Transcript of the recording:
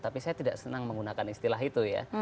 tapi saya tidak senang menggunakan istilah itu ya